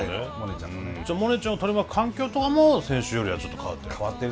じゃあモネちゃんを取り巻く環境とかも先週よりはちょっと変わってる。